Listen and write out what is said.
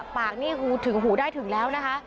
ปากนี่หูถึงหูได้ถึงแล้วนะคะ